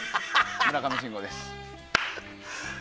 村上信五です。